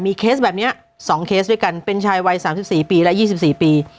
เคสแบบนี้๒เคสด้วยกันเป็นชายวัย๓๔ปีและ๒๔ปี